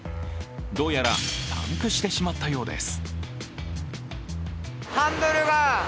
どうやらパンクしてしまったようです。